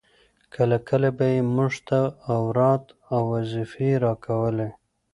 کله کله به يې موږ ته اوراد او وظيفې راکولې.